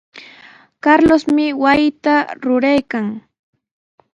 Carlosmi wasita rurarqun.